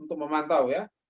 untuk memantau ya